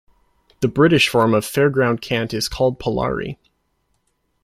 The British form of fairground cant is called "Parlyaree".